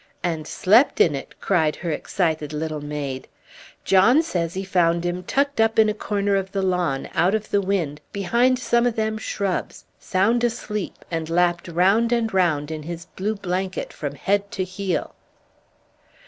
"And slept in it!" cried her excited little maid. "John says he found him tucked up in a corner of the lawn, out of the wind, behind some o' them shrubs, sound asleep, and lapped round and round in his blue banket from head to heel."